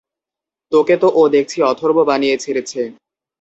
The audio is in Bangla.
তোকে তো ও দেখছি অথর্ব বানিয়ে ছেড়েছে!